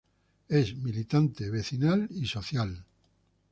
Es militante, vecinal y social.